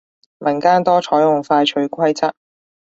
民間多採用快脆規則